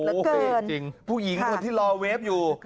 โอ้โฮโหดละเกินจริงพวกหญิงที่รอเวฟอยู่